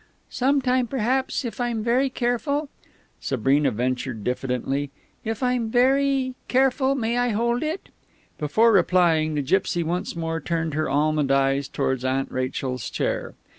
"Sometime, perhaps if I'm very careful " Sabrina ventured diffidently, " if I'm very careful may I hold it?" Before replying, the gipsy once more turned her almond eyes towards Aunt Rachel's chair.